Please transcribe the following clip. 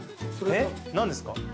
何ですか？